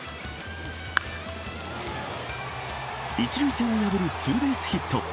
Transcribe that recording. １塁線を破るツーベースヒット。